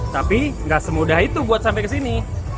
tapi gak semudah itu buat sampai kesini